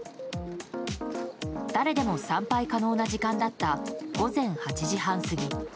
誰でも参拝可能な時間だった午前８時半過ぎ。